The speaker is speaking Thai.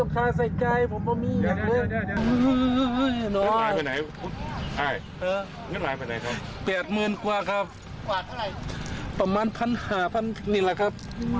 เขาจะเอาเงินอันนี้ไหมครับ